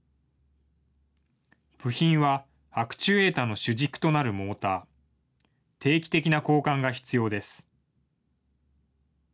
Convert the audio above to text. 部品は、アクチュエータの主軸となるモーター、定期的な交換が必要です。